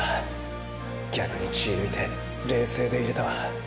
逆に血ィぬいて冷静でいれたわ。